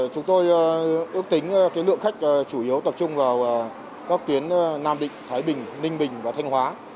chúng tôi ước tính lượng khách chủ yếu tập trung vào các tuyến nam định thái bình ninh bình và thanh hóa